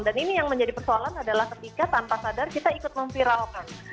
dan ini yang menjadi persoalan adalah ketika tanpa sadar kita ikut memviralkan